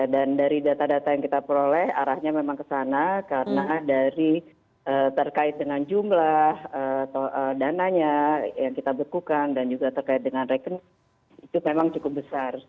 dan dari data data yang kita peroleh arahnya memang ke sana karena dari terkait dengan jumlah dananya yang kita bekukan dan juga terkait dengan rekening itu memang cukup besar